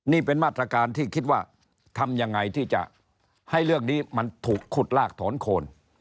นี่เป็นมาตรการที่คิดว่าทำยังไงที่จะให้เรื่องนี้มันถูกขุดลากถอนโคน